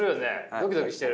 ドキドキしてる？